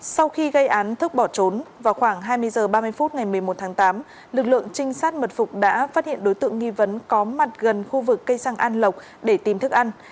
sau khi gây án thức bỏ trốn vào khoảng hai mươi h ba mươi phút ngày một mươi một tháng tám lực lượng trinh sát mật phục đã phát hiện đối tượng nghi vấn có mặt gần khu vực cây xăng an lộc để tìm thức ăn